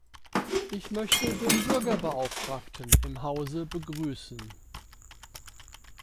Ich möchte den Bürgerbeauftragten im Hause begrüßen.